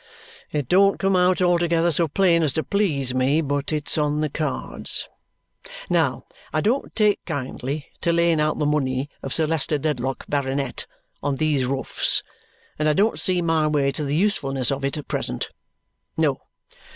It don't come out altogether so plain as to please me, but it's on the cards. Now, I don't take kindly to laying out the money of Sir Leicester Dedlock, Baronet, on these roughs, and I don't see my way to the usefulness of it at present. No!